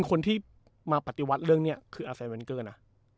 คนที่มาปฏิวัติเรื่องนี้คืออาไซเวนเกอร์นะ